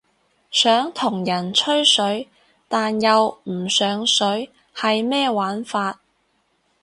想同人吹水但又唔上水係咩玩法？